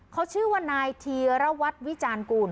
เขาชื่อว่านายธีรวัตรวิจารณกูล